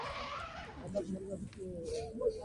هرځوان باید د علم د حاصلولو لپاره کوښښ وکړي.